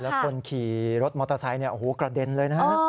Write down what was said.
แล้วคนขี่รถมอเตอร์ไซค์กระเด็นเลยนะฮะ